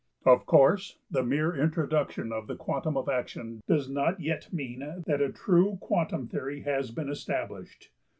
Of course the mere introduction of the quantum of action does not yet mean that a true Quantum Theory has been established.